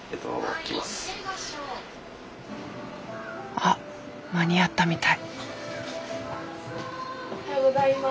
あっ間に合ったみたい。